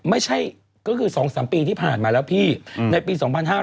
ไม่ใช่ก็คือ๒๓ปีที่ผ่านมาแล้วพี่ในปี๒๕๕๙